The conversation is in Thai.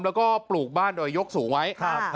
และก็ปลูกบ้านโดยยกสูงไว้